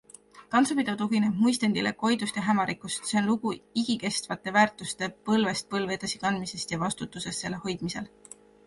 Tantsupidu tugineb muistendile Koidust ja Hämarikust, See on lugu igikestvate väärtuste põlvest-põlve edasikandmisest ja vastutusest selle hoidmisel.